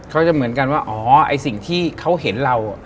เขาจะเหมือนกันว่าอ๋อไอ้สิ่งที่เขาเห็นเรา